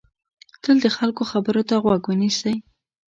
تل د خلکو خبرو ته غوږ ونیسئ.